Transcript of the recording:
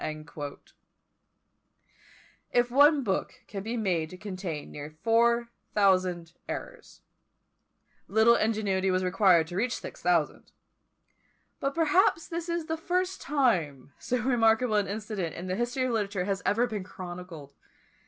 " If one book can be made to contain near four thousand errors, little ingenuity was required to reach to six thousand; but perhaps this is the first time so remarkable an incident in the history of literature has ever been chronicled.